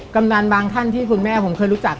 กำนันบางท่านที่คุณแม่ผมเคยรู้จัก